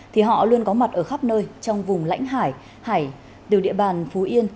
thì họ luôn có mặt ở khắp nơi trong vùng lãnh hải hải từ địa bàn phú yên